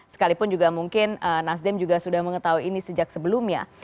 sekalipun juga mungkin nasdem juga sudah mengetahui ini sejak sebelumnya